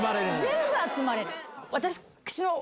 全部集まれる。